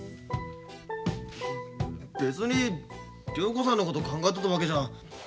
別に涼子さんのこと考えとったわけじゃ。